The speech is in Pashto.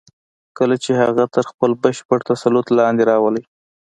کله چې هغه تر خپل بشپړ تسلط لاندې راولئ.